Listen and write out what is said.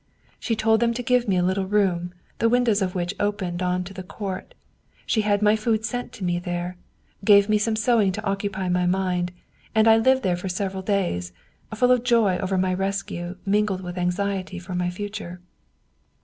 She told them to give me a little room, the win dows of which opened on to the court. She had my food sent to me there, gave me some sewing to occupy my mind, and I lived there for several days, full of joy over my rescue mingled with anxiety for my future.